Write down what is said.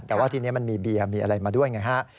แต่ว่าทีนี้มันมีเบียร์มีอะไรมาด้วยไงฮะ